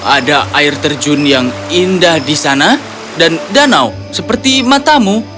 ada air terjun yang indah di sana dan danau seperti matamu